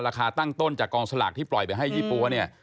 ตั้งต้นจากกองสลากที่ปล่อยไปให้ยี่ปั๊วเนี่ย